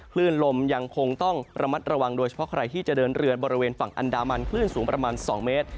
คลื่นลมยังคงต้องระมัดระวังโดยเฉพาะใครที่จะเดินเรือบริเวณฝั่งอันดามันคลื่นสูงประมาณ๒เมตร